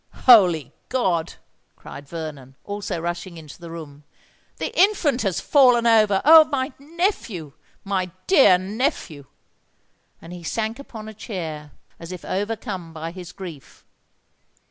"Holy God!" cried Vernon, also rushing into the room: "the infant has fallen over! Oh! my nephew—my dear nephew!" And he sank upon a chair, as if overcome by his grief.